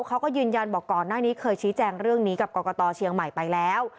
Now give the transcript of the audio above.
เขาก็ยืนยันบอกก่อนหน้านี้เคยชี้แจงเรื่องนี้กับกรกตเชียงใหม่ไปแล้ว